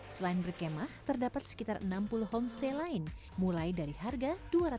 selain berkemah terdapat sekitar enam puluh homestay lain mulai dari harga dua ratus ribu rupiah per malam